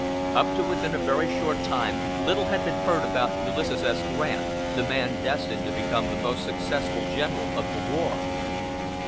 Up to within a very short time little had been heard about Ulysses S. Grant, the man destined to become the most successful general of the war.